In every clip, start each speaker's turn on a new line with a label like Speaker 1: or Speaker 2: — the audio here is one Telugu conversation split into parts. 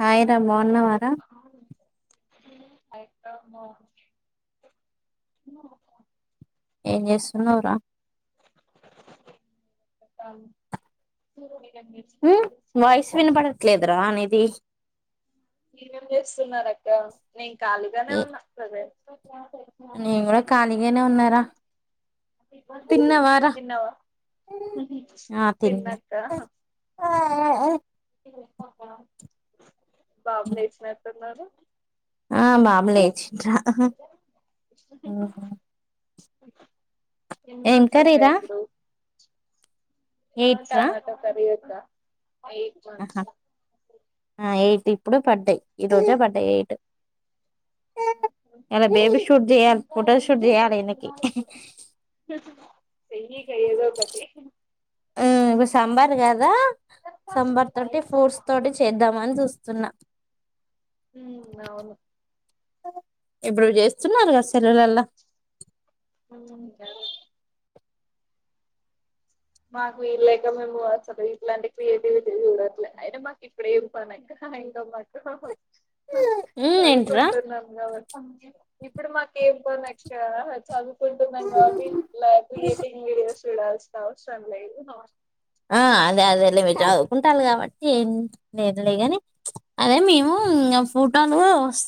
Speaker 1: హాయ్ రా బావున్నవార
Speaker 2: [inaudible]
Speaker 1: ఏం జేసున్నావురా
Speaker 2: [inaudible]
Speaker 1: ఊ వాయిస్ వినబడట్లేదురా నీది
Speaker 2: మీరేం చేస్తున్నారు అక్క
Speaker 1: ఏ- నేను కూడా ఖాళీగానే ఉన్నారా తిన్నవారా
Speaker 2: తిన్నక్క
Speaker 1: హామ్
Speaker 2: బాబు లేేచినతున్నారు
Speaker 1: ఆ మామ్లేచ్చ రా హామ్ హామ్
Speaker 2: ఎన్ మంతస్ అక్క
Speaker 1: కర్రీరా
Speaker 2: ఇప్పుడు హ
Speaker 1: ఎయిట్
Speaker 2: టమాట కర్రీ అక్క ఎయిట్
Speaker 1: ఆహ
Speaker 2: మంత్స్
Speaker 1: ఎయిట్ ఇప్పుడు బడ్డే ఈ రోజే పడ్డ ఎయిట్ ఇలా బేబీ
Speaker 2: అ
Speaker 1: షూట్ చేయాలి ఫోటోషూట్ చేయాలి ఈయనకి
Speaker 2: ఆహ్ ఆహ్ చెయి ఇగ ఏదో ఒకటి
Speaker 1: ఇప్పుడు సాంబార్ కదా సాంబార్ తోటి ఫ్రూట్స్ తోటి చేద్దామని చూస్ వస్తున్నా
Speaker 2: హ అవును
Speaker 1: ఎప్పుడు చేస్తున్నారు కదా సెల్లవులలా
Speaker 2: ఆహ్ ఆహ్ గదె మాకు వీళ్ళక మేము అసలు వీట్లా అంటే క్రియేటివిూట్లే అయిే మాకు ఇప్పుడ ఏం పనంక ఆయనతో పాటు
Speaker 1: ఏంట్రా
Speaker 2: చదువుకుంటున్నాం కాబట్టి ఇప్పుడు మాకేం పని అక్క కుంటున్నాం కాబట్టి లైక్టింగ్ వీడియోస్ చూడాల్స్తా అవసరం లేదు న
Speaker 1: ఆ అదే అదే లే మీరు చదువుకుంటారు కాబట్టి ఏం లేనులేగాని అదే మేము ఫుటన్ వస్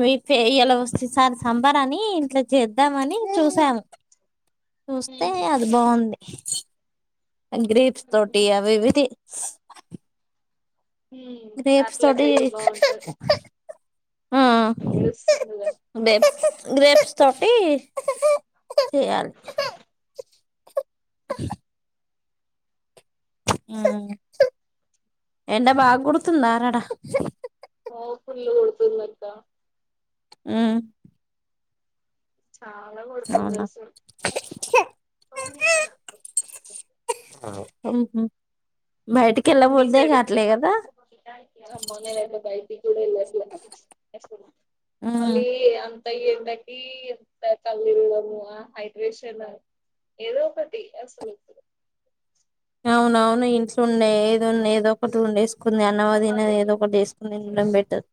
Speaker 1: మీ ప ఇలా వస్తే సారి సంబరని ఇంట్లో చేద్దామని చూసాము చూస్తే
Speaker 2: ఉమ్
Speaker 1: అది బాగుంది గ్రిప్స్ తోటి అవి విధి
Speaker 2: ఉమ్
Speaker 1: రేపు
Speaker 2: అట్లా
Speaker 1: సడ
Speaker 2: చెయ్యి బాగుంటది
Speaker 1: ఆ
Speaker 2: ఏడుస్తుందిగా
Speaker 1: అదే గ్రేప్స్ తోటి చేయాలి ఆహ్ ఆహ్ ఎండ బాగా కొడుతుందార అడ
Speaker 2: ఆఓ పుల్ కొడుతున్నంది అక్క
Speaker 1: ఆహా
Speaker 2: చాలా కొడుతుంది
Speaker 1: అవునా
Speaker 2: అసలు ఫోన్ తీస్తాడు
Speaker 1: అహా హు ఇక ఎ బర్దయిఘట్లే కదా
Speaker 2: మనా భయికిటికి కూడా ఎల్లట్లే
Speaker 1: ఉమ్
Speaker 2: మళ్ళీ అం తయ ఎందకంత కళ మ హైడ్రేషన్ ఏదో ఒకటి అసలు
Speaker 1: అవునవును ఇంట్లో ఉండే ఏదోన్నా ఏదో ఒక టూ ఉండే కుంది అన్నవ తినది ఏదో ఒకటి వేసుకుని తినడం బెటర్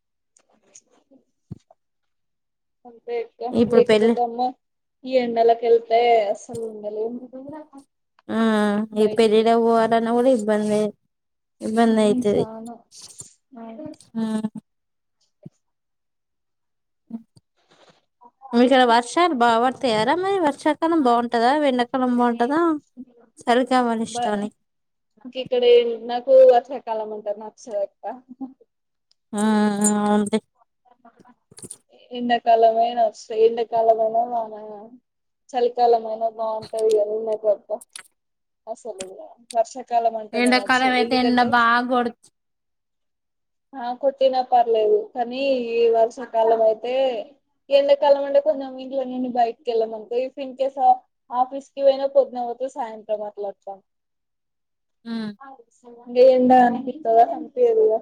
Speaker 2: అంత
Speaker 1: ఇప్పుడు పెళ్ళి
Speaker 2: లేకపోతే అమ్మ ఈ ఎన్నలాకిళ్తే చ ఉ ఏం
Speaker 1: ఆ ఈ పెరిడ పొవలనా కూడా ఇబ్బందే
Speaker 2: ఉమ్,
Speaker 1: ఇబందయితది
Speaker 2: చానా అవును.
Speaker 1: హ ఆహ్ మీకు ఇక్కడ వర్షాలు బాగుంటాయారా మరి వర్షాకాలం బాగుంటందా వెన్న
Speaker 2: ఇ
Speaker 1: ఇష్టానికి
Speaker 2: ఇక్కడ నాకు అ కాలమంటా నచ్చస లే
Speaker 1: ఆ అవున్ తీ
Speaker 2: ఎండ కాలమేనా వస్తయ్ ఎండ కాలమేనా వానకాలమేనా చలికాలంమైన బాగుంటాది ఇగ నూనెబెడతా అసలు వర్ష కాలం అంటే
Speaker 1: ఎండాకాలం
Speaker 2: నచ్చుదు
Speaker 1: అయితే ఎండ
Speaker 2: ఎందుకంటే
Speaker 1: బాగా కొడు
Speaker 2: ఆ కొట్టిన పర్లేదు కానీ ఈ వర్షాకాలం అయితే ఎండ కాలంమంటే కొంచెం ఇంట్లో నేను బయటకి వెళ్ళామనుకో ఇఫ్ ఇన్ కేస్ ఆఫీస్ కి పోయినా పొద్దున్నే పో సాయంత్రం అట్ల వస్తాము
Speaker 1: [inaudible]
Speaker 2: ఇగ ఎండా అనిపిత్తదా అనిపియదిగా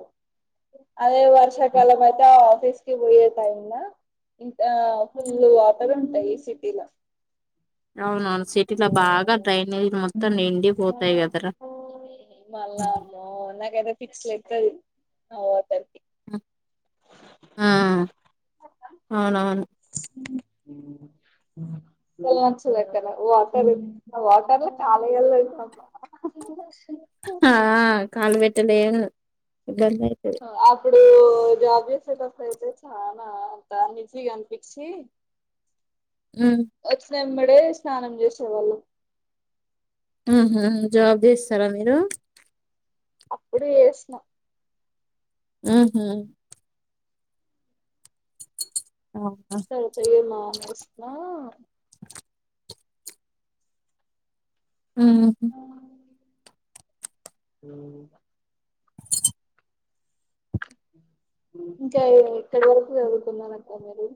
Speaker 2: అదే వర్షాకాలం అయితే ఆ ఆఫీస్ ఆఫీస్ కి పోయే టైం ల ఇంత ఫుల్ వాటర్ ఉంటాయ్ ఈ సిటీలా
Speaker 1: అవునువును సిటీలా బాగా డ్రైనేజ్ మొత్తం నిండి పోతాయి గదరా
Speaker 2: మళ్ళా మో పిచ్చ్ లెక్కది ఆ వాతర్కి
Speaker 1: ఆ అవునవును [inaudible]
Speaker 2: నచ్చలేక్కడ వాటర్ వాటర్ లో కాలల్లో అయిప్ప [unintelligible]
Speaker 1: లేను ఇబ్బందైతది
Speaker 2: అప్పుడు జాబ్ జేసేటప్పుడు అయితే చానా అంతా అనిజీగా అనిపించి
Speaker 1: [inaudible] ఉమ్
Speaker 2: వచ్చినెంబడే స్నానం జేసే వాళ్ళం
Speaker 1: ఊహూ జాబ్ జేస్తరా మీరు
Speaker 2: అప్పుడు జేసిన
Speaker 1: ఊహూ అవునా
Speaker 2: తర్వాత యే మానేసిన్నా
Speaker 1: ఉమ్
Speaker 2: ఉమ్
Speaker 1: [unintelligible]
Speaker 2: ఇంకా ఎక్కడి వరకు చదువుకున్నారు అక్క మీరు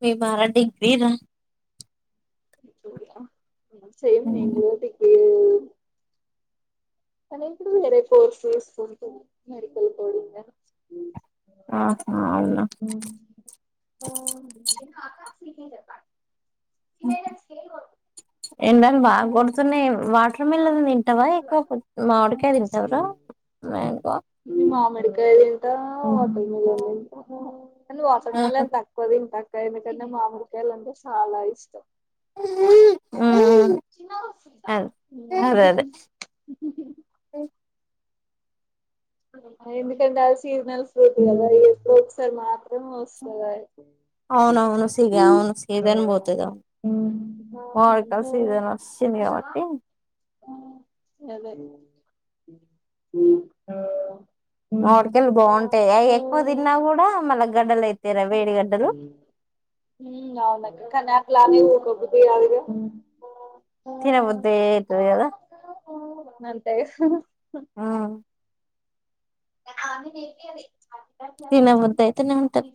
Speaker 1: మేమారా డిగ్రీ రా
Speaker 2: సేమ్ నేను గూడ డిగ్రీ యే కానీ ఇప్పుడు వేరే కోర్స్ తీసుకుంటున్నా మెడికల్ కోడింగ్ ల
Speaker 1: ఆహా అన్నా
Speaker 2: తిన్నవా అక్కా స్లీపింగ్ జెప్పాలే [unintelligible]
Speaker 1: ఎండలు బాగా కొడుతున్నాయి వాటర్ మిలాన్ తింటావా ఎక్కువ మామిడికాయ తింటావురా మ్యాంగో
Speaker 2: [unintelligible] తింట కాని వాటర్ మిలాన్ తక్కువ దింట అక్ క్లాయ్ మేటన్నా మామిడికాయలు అంటే చాలా ఇష్టం
Speaker 1: [unintelligible] అదే అదే
Speaker 2: ఉమ్ హు
Speaker 1: అదే
Speaker 2: హు హు ఎందుకంటే అ సీజనల్ ఫ్రూట్ కదా ఎప్పుడో ఒకసారి మాత్రమే వస్తది అది
Speaker 1: అవును అవును సిగా అవును సీజన్ బోతది అవును మామిడికాయల సీజన్ వచ్చింది కాబట్టి
Speaker 2: అదే ఉమ్ ఆ
Speaker 1: మామిడికాయలు బాగుంటాయా ఎక్కువ దిన్నా కూడా మళ్ళ గడ్డలు అయితయ్
Speaker 2: అవునక కనక్లా [unintelligible] కొబ్బుది రాదుగా
Speaker 1: తినబుద్ధి అయితది కదా
Speaker 2: నంతే
Speaker 1: ఉమ్.
Speaker 2: ఆమె కేపియాలి
Speaker 1: తినా బుద్దయితేనే ఉంటది.